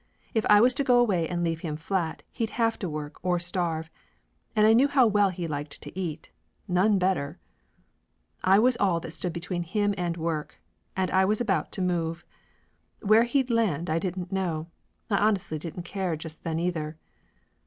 If I was to go away and leave him flat he'd have to work or starve, and I knew how well he liked to eat none better! I was all that stood between him and work, and I was about to move. Where he'd land I didn't know. I didn't honestly care just then, either.